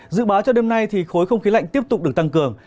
dự báo cho đêm nay thì khối không khí lạnh tiếp tục được tăng cường